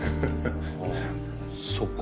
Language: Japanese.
ああそっか。